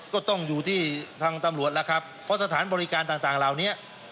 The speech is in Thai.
ก็ต้องอยู่ที่ทางตำรวจแล้วครับเพราะสถานบริการต่างเหล่านี้